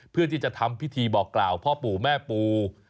เพื่อที่จะทำพิธีบอกกล่าวพ่อปู่แม่ปู